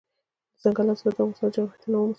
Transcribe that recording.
دځنګل حاصلات د افغانستان د جغرافیوي تنوع مثال دی.